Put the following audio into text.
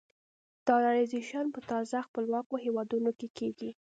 ډالرایزیشن په تازه خپلواکو هېوادونو کې کېږي.